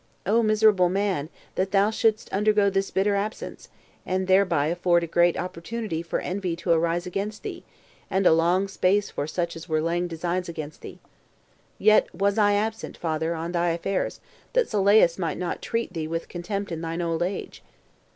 O miserable man! that thou shouldst undergo this bitter absence, and thereby afford a great opportunity for envy to arise against thee, and a long space for such as were laying designs against thee! Yet was I absent, father, on thy affairs, that Sylleus might not treat thee with contempt in thine old age.